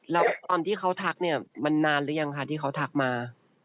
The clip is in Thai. แล้วตอนที่เขาทักเนี่ยมันนานหรือยังคะที่เขาทักมา